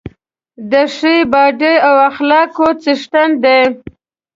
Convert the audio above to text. د ښې باډۍ او اخلاقو څښتن دی.